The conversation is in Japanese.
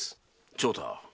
長太。